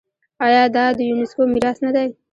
آیا دا د یونیسکو میراث نه دی؟